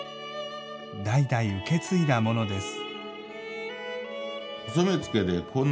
代々受け継いだものです。